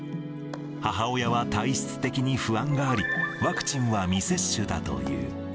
母親は体質的に不安があり、ワクチンは未接種だという。